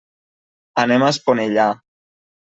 Anem a Esponellà.